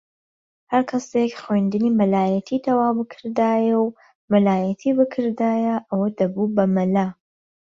ھەر کەسێک خوێندنی مەلایەتی تەواو بکردایە و مەلایەتی بکردایە ئەوە دەبوو بە مەلا